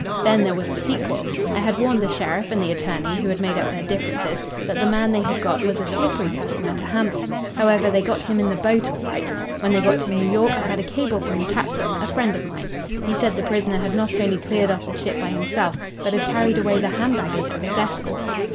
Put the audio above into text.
"Then there was a sequel. I had warned the sheriff and the attorney, who had made up their differences, that the man they had got was a slippery customer to handle. However, they got him in the boat all right. When they got to New York I had a cable from the captain a friend of mine. He said the prisoner had not only cleared off the ship by himself, but had carried away the hand baggage of his escort."